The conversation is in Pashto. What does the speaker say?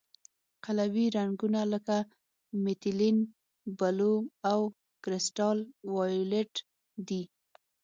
قلوي رنګونه لکه میتیلین بلو او کرسټل وایولېټ دي.